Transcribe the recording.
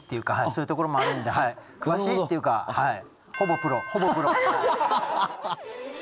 そういうところもあるんで詳しいっていうかはい。